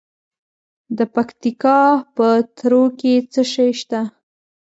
د پکتیکا په تروو کې څه شی شته؟